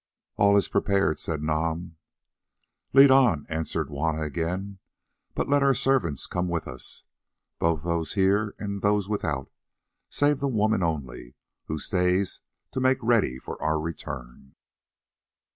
"All is prepared," said Nam. "Lead on," answered Juanna again. "But let our servants come with us, both those here and those without, save the woman only, who stays to make ready for our return."